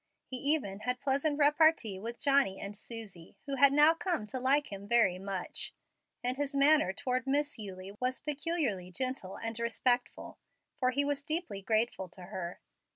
He even had pleasant repartee with Johnny and Susie, who had now come to like him very much, and his manner toward Miss Eulie was peculiarly gentle and respectful, for he was deeply grateful to her.